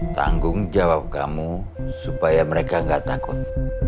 tanggung jawab kamu supaya mereka gak takut